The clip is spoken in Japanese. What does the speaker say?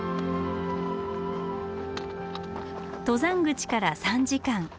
登山口から３時間。